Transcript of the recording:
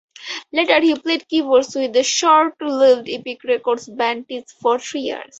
Later, he played keyboards with the short-lived Epic Records band Tease for three years.